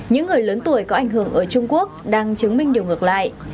những người lớn tuổi có ảnh hưởng ở trung quốc đang chứng minh điều ngược lại